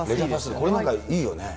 これなんかいいよね。